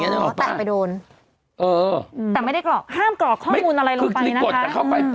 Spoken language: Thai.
แตะไปโดนแต่ไม่ได้กรอกห้ามกรอกข้อมูลอะไรลงไปนะคะ